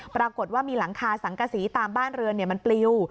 ปรากฏว่ามีหลังคาสังกษีตามบ้านเรือนมันปลิว